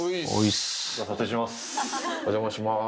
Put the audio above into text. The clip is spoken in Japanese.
お邪魔します。